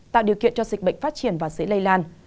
tạo điều kiện cho dịch bệnh phát triển và dễ lây lan